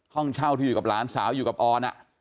ห้องเช่าที่อยู่กับหลานสาวอยู่กับออน